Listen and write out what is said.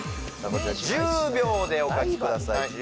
こちら１０秒でお書きください